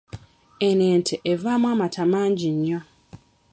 Eno ente evaamu amata mangi nnyo.